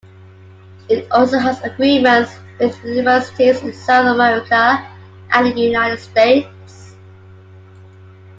It also has agreements with universities in South America and the United States.